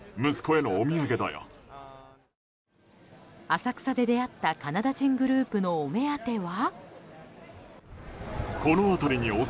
浅草で出会ったカナダ人グループのお目当ては？